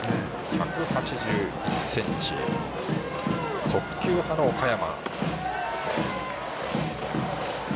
１８１ｃｍ速球派の岡山。